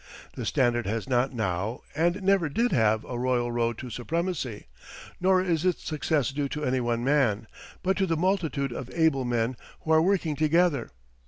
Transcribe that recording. The Standard has not now, and never did have a royal road to supremacy, nor is its success due to any one man, but to the multitude of able men who are working together.